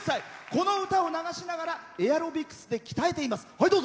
この歌を流しながらエアロビクスで鍛えています。